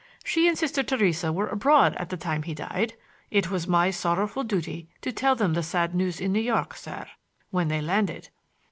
She and Sister Theresa were abroad at the time he died. It was my sorrowful duty to tell them the sad news in New York, sir, when they landed."